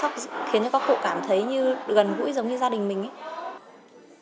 nó khiến cho các cụ cảm thấy như gần gũi giống như gia đình mình ấy